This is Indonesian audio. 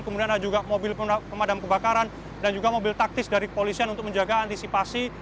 kemudian ada juga mobil pemadam kebakaran dan juga mobil taktis dari kepolisian untuk menjaga antisipasi